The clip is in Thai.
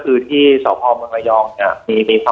วันนี้แม่ช่วยเงินมากกว่า